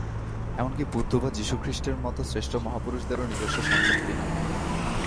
এমন কি বুদ্ধ বা যীশুখ্রীষ্টের মত শ্রেষ্ঠ মহাপুরুষদেরও নিজস্ব সম্পত্তি নয়।